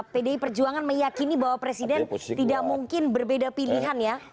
pdi perjuangan meyakini bahwa presiden tidak mungkin berbeda pilihan ya